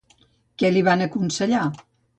Què li van aconsellar?